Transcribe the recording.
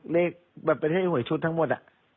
เลขแบบประเทศหวยชุดทั้งหมด